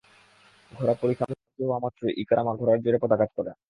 ঘোড়া পরিখামুখী হওয়া মাত্রই ইকরামা ঘোড়ায় জোরে পদাঘাত করে।